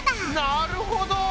なるほど！